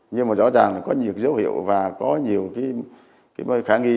nhưng mà rõ ràng là có nhiều dấu hiệu và có nhiều cái khả nghi